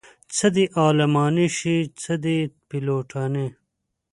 څه دې عالمانې شي څه دې پيلوټانې